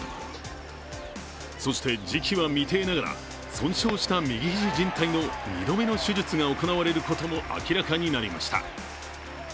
そして、時期は未定ながら損傷した右肘じん帯の２度目の手術が行われることも明らかになりました。